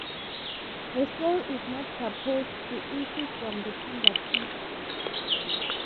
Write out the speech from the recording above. The soul is not supposed to issue from the fingertips.